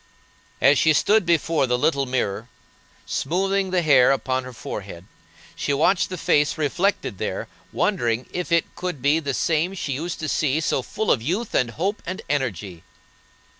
As she stood before the little mirror, smoothing the hair upon her forehead, she watched the face reflected there, wondering if it could be the same she used to see so full of youth and hope and energy.